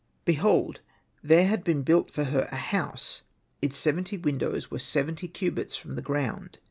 Behold, there had been built for her a house ; its seventy windows were seventy cubits from the ground.